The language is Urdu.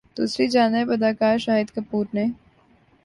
دوسری جانب اداکار شاہد کپور نے